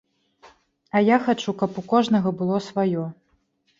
А я хачу, каб у кожнага было сваё.